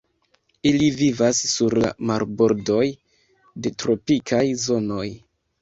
Ili vivas sur la marbordoj de tropikaj zonoj.